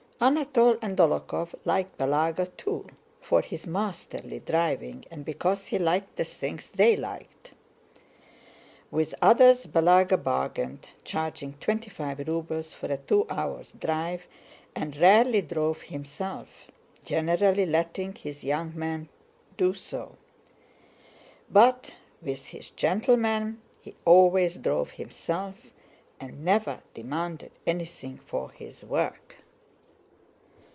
Anatole and Dólokhov liked Balagá too for his masterly driving and because he liked the things they liked. With others Balagá bargained, charging twenty five rubles for a two hours' drive, and rarely drove himself, generally letting his young men do so. But with "his gentlemen" he always drove himself and never demanded anything for his work.